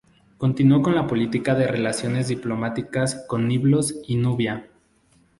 Continuó con la política de relaciones diplomáticas con Biblos y Nubia.